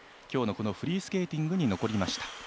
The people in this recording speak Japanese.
今日のフリースケーティングに残りました。